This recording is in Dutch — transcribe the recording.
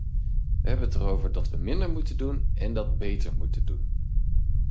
We hebben het erover dat we minder moeten doen en dat beter moeten doen.